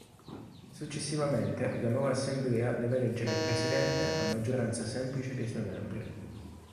Successivamente, la nuova Assemblea deve eleggere il presidente a maggioranza semplice dei suoi membri.